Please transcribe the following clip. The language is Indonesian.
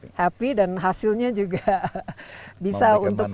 dan juga happy dan hasilnya juga bisa untuk ya